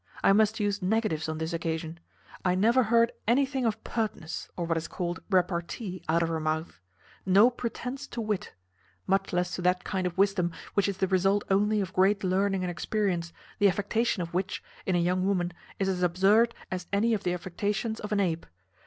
I must use negatives on this occasion. I never heard anything of pertness, or what is called repartee, out of her mouth; no pretence to wit, much less to that kind of wisdom which is the result only of great learning and experience, the affectation of which, in a young woman, is as absurd as any of the affectations of an ape.